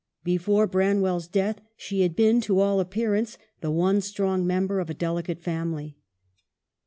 Before Branwell's death she had been, to all appearance, the one strong member of a delicate family.